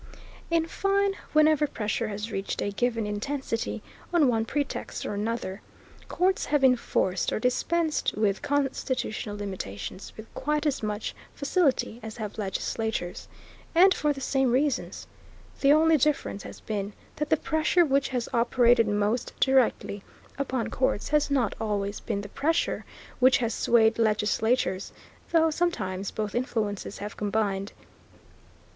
In fine, whenever pressure has reached a given intensity, on one pretext or another, courts have enforced or dispensed with constitutional limitations with quite as much facility as have legislatures, and for the same reasons. The only difference has been that the pressure which has operated most directly upon courts has not always been the pressure which has swayed legislatures, though sometimes both influences have combined.